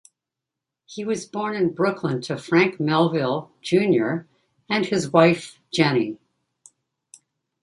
He was born in Brooklyn to Frank Melville, Junior and his wife, Jennie.